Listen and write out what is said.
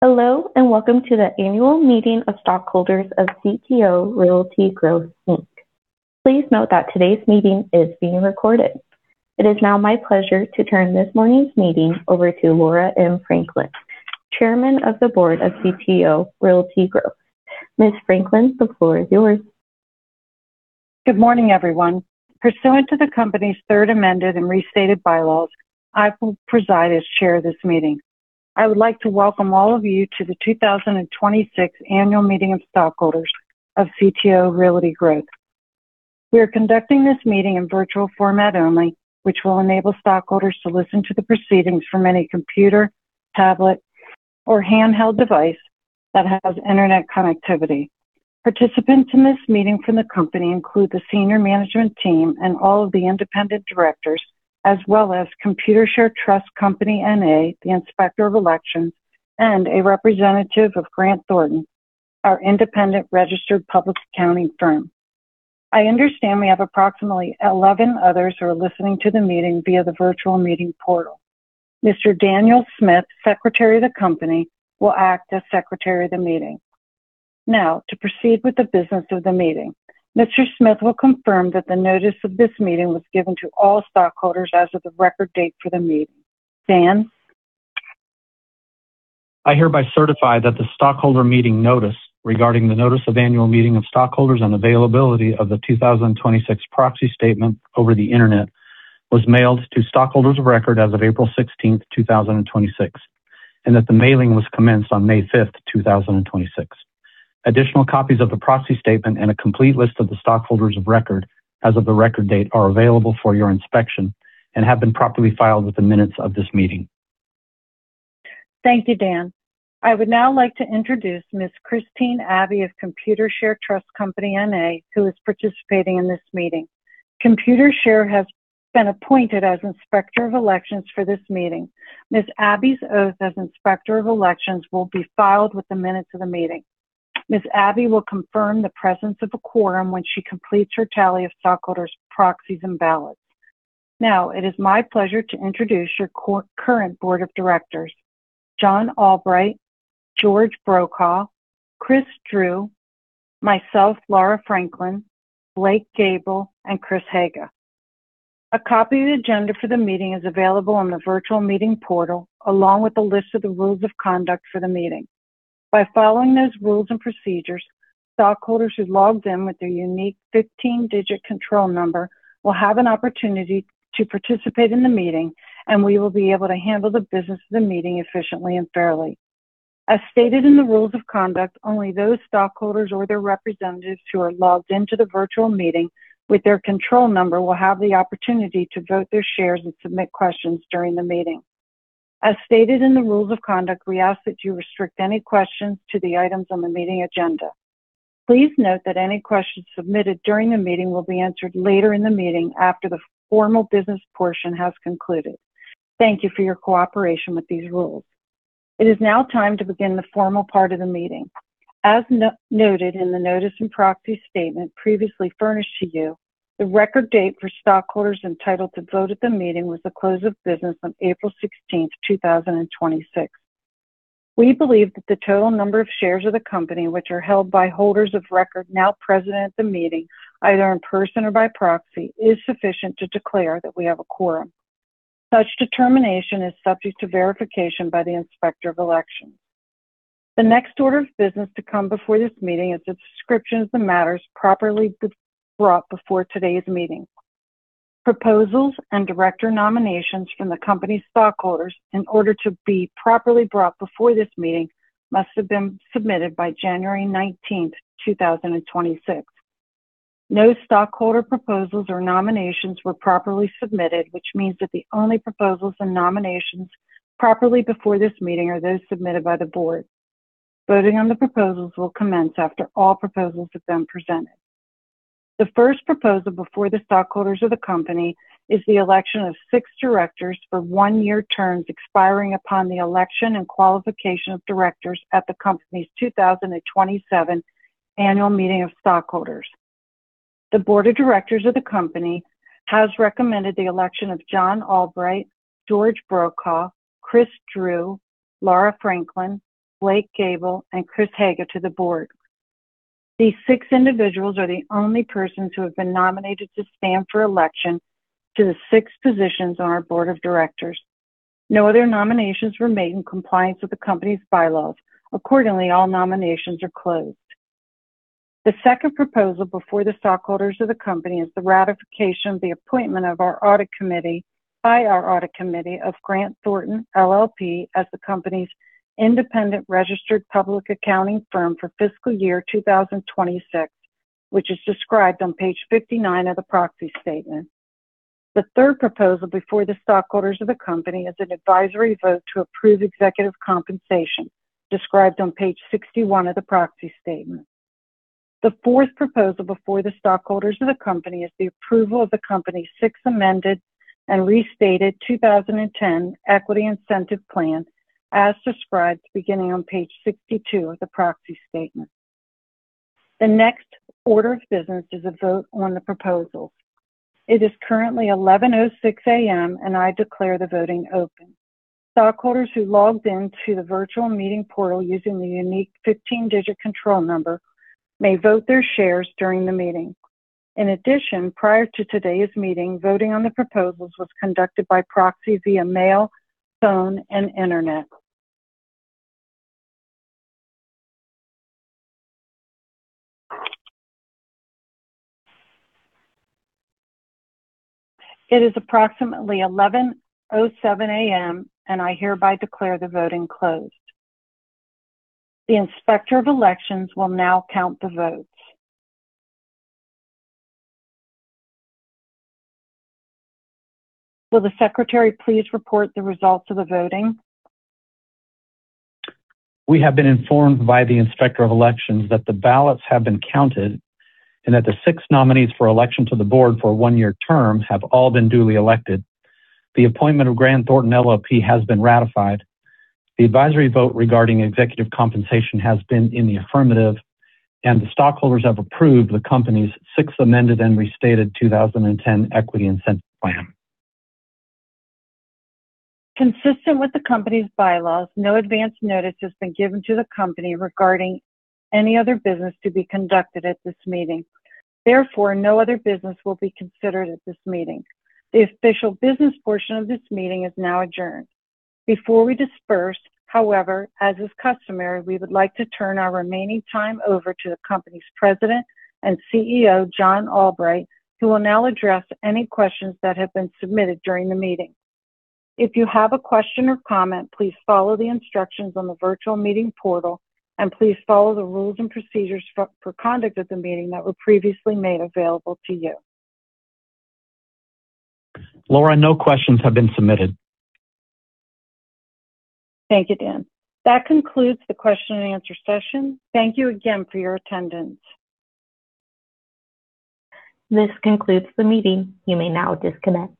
Hello. Welcome to the annual meeting of stockholders of CTO Realty Growth, Inc. Please note that today's meeting is being recorded. It is now my pleasure to turn this morning's meeting over to Laura M. Franklin, Chairman of the Board of CTO Realty Growth. Ms. Franklin, the floor is yours. Good morning, everyone. Pursuant to the company's Third Amended and Restated Bylaws, I will preside as chair of this meeting. I would like to welcome all of you to the 2026 annual meeting of stockholders of CTO Realty Growth. We are conducting this meeting in virtual format only, which will enable stockholders to listen to the proceedings from any computer, tablet, or handheld device that has internet connectivity. Participants in this meeting from the company include the senior management team and all of the independent directors, as well as Computershare Trust Company, N.A., the Inspector of Elections, and a representative of Grant Thornton, our independent registered public accounting firm. I understand we have approximately 11 others who are listening to the meeting via the virtual meeting portal. Mr. Daniel Smith, Secretary of the company, will act as secretary of the meeting. To proceed with the business of the meeting. Mr. Smith will confirm that the notice of this meeting was given to all stockholders as of the record date for the meeting. Dan? I hereby certify that the Stockholder Meeting Notice regarding the Notice of Annual Meeting of Stockholders on availability of the 2026 Proxy Statement over the internet was mailed to stockholders of record as of April 16th, 2026, and that the mailing was commenced on May 5th, 2026. Additional copies of the Proxy Statement and a complete list of the stockholders of record as of the record date are available for your inspection and have been properly filed with the minutes of this meeting. Thank you, Dan. I would now like to introduce Ms. Christine Abbey of Computershare Trust Company, N.A., who is participating in this meeting. Computershare has been appointed as Inspector of Elections for this meeting. Ms. Abbey's oath as Inspector of Elections will be filed with the minutes of the meeting. Ms. Abbey will confirm the presence of a quorum when she completes her tally of stockholders' proxies and ballots. Now, it is my pleasure to introduce your current board of directors, John Albright, George Brokaw, Chris Drew, myself, Laura Franklin, Blake Gable, and Chris Haga. A copy of the agenda for the meeting is available on the virtual meeting portal, along with a list of the rules of conduct for the meeting. By following those rules and procedures, stockholders who logged in with their unique 15-digit control number will have an opportunity to participate in the meeting, and we will be able to handle the business of the meeting efficiently and fairly. As stated in the rules of conduct, only those stockholders or their representatives who are logged in to the virtual meeting with their control number will have the opportunity to vote their shares and submit questions during the meeting. As stated in the rules of conduct, we ask that you restrict any questions to the items on the meeting agenda. Please note that any questions submitted during the meeting will be answered later in the meeting after the formal business portion has concluded. Thank you for your cooperation with these rules. It is now time to begin the formal part of the meeting. As noted in the notice and proxy statement previously furnished to you, the record date for stockholders entitled to vote at the meeting was the close of business on April 16th, 2026. We believe that the total number of shares of the company, which are held by holders of record now present at the meeting, either in person or by proxy, is sufficient to declare that we have a quorum. Such determination is subject to verification by the Inspector of Elections. The next order of business to come before this meeting is a description of the matters properly brought before today's meeting. Proposals and director nominations from the company stockholders in order to be properly brought before this meeting must have been submitted by January 19th, 2026. No stockholder proposals or nominations were properly submitted, which means that the only proposals and nominations properly before this meeting are those submitted by the board. Voting on the proposals will commence after all proposals have been presented. The first proposal before the stockholders of the company is the election of six directors for one-year terms expiring upon the election and qualification of directors at the company's 2027 annual meeting of stockholders. The board of directors of the company has recommended the election of John Albright, George Brokaw, Chris Drew, Laura Franklin, Blake Gable, and Chris Haga to the board. These six individuals are the only persons who have been nominated to stand for election to the six positions on our board of directors. No other nominations were made in compliance with the company's bylaws. Accordingly, all nominations are closed. The second proposal before the stockholders of the company is the ratification of the appointment of our audit committee by our audit committee of Grant Thornton LLP as the company's independent registered public accounting firm for fiscal year 2026, which is described on page 59 of the proxy statement. The third proposal before the stockholders of the company is an advisory vote to approve executive compensation described on page 61 of the proxy statement. The fourth proposal before the stockholders of the company is the approval of the company's Sixth Amended and Restated 2010 Equity Incentive Plan as described beginning on page 62 of the proxy statement. The next order of business is a vote on the proposals. It is currently 11:06 A.M. I declare the voting open. Stockholders who logged in to the virtual meeting portal using the unique 15-digit control number may vote their shares during the meeting. In addition, prior to today's meeting, voting on the proposals was conducted by proxy via mail, phone, and internet. It is approximately 11:07 A.M. I hereby declare the voting closed. The Inspector of Elections will now count the votes. Will the Secretary please report the results of the voting? We have been informed by the Inspector of Elections that the ballots have been counted and that the six nominees for election to the board for a one-year term have all been duly elected. The appointment of Grant Thornton LLP has been ratified. The advisory vote regarding executive compensation has been in the affirmative. The stockholders have approved the company's Sixth Amended and Restated 2010 Equity Incentive Plan. Consistent with the company's bylaws, no advance notice has been given to the company regarding any other business to be conducted at this meeting. Therefore, no other business will be considered at this meeting. The official business portion of this meeting is now adjourned. Before we disperse, however, as is customary, we would like to turn our remaining time over to the company's President and CEO, John Albright, who will now address any questions that have been submitted during the meeting. If you have a question or comment, please follow the instructions on the virtual meeting portal. Please follow the rules and procedures for conduct of the meeting that were previously made available to you. Laura, no questions have been submitted. Thank you, Dan. That concludes the question and answer session. Thank you again for your attendance. This concludes the meeting. You may now disconnect.